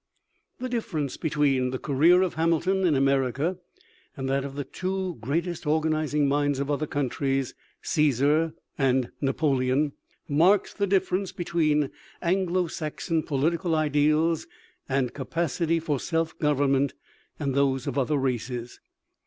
The difference between the career of Hamilton in America and that of the two greatest organizing minds of other countries Cæsar and Napoleon marks the difference between Anglo Saxon political ideals and capacity for self government and those of other races.